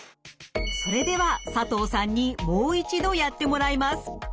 それでは佐藤さんにもう一度やってもらいます。